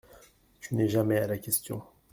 Tu n'es jamais à la question …